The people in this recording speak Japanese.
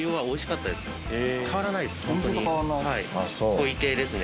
濃い系ですね。